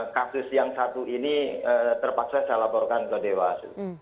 kasus yang satu ini terpaksa saya laporkan ke dewas